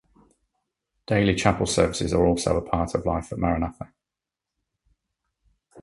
Daily chapel services are also a part of life at Maranatha.